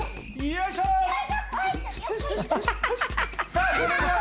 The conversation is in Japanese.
さあそれでは。